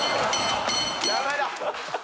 やめろ。